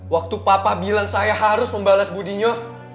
waktu papa bilang saya harus membalas budi nya